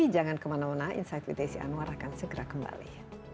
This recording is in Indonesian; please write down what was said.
jangan kemana mana insight with desi anwar akan segera kembali